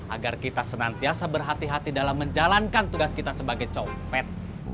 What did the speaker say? agar kita senantiasa berhati hati dalam menjalankan tugas kita sebagai copet